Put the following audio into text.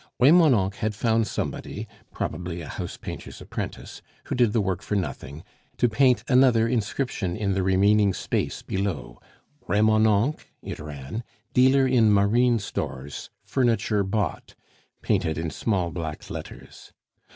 Remonencq had found somebody, probably a housepainter's apprentice, who did the work for nothing, to paint another inscription in the remaining space below "REMONENCQ," it ran, "DEALER IN MARINE STORES, FURNITURE BOUGHT" painted in small black letters.